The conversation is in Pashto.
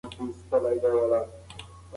د رفتار وړاندوينه یو ډېر مهم کار دی.